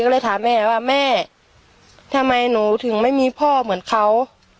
ก็เลยถามแม่ว่าแม่ทำไมหนูถึงไม่มีพ่อเหมือนเขา